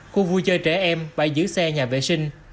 khu vui chơi trẻ em bãi giữ xe nhà vệ sinh